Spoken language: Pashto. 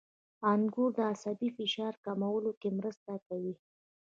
• انګور د عصبي فشار کمولو کې مرسته کوي.